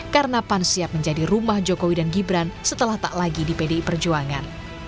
karena pan siap menjadi rumah jokowi dan gibran setelah tak lagi di pdi perjuangan